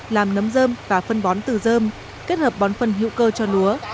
làm nấm dơm và phân bón từ dơm kết hợp bón phân hữu cơ cho lúa